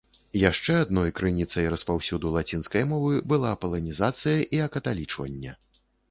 Яшчэ адной крыніцай распаўсюду лацінскай мовы была паланізацыя і акаталічванне.